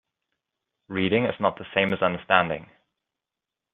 Reading is not the same as understanding.